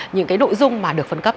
những cái nội dung mà được phân cấp